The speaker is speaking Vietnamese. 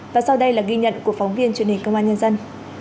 và sau đây là ghi nhận của phóng viên truyền hình công an nhân dân